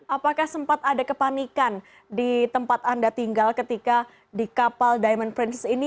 apakah sempat ada kepanikan di tempat anda tinggal ketika di kapal diamond princess ini